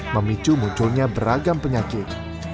memicu munculnya beragam penyakit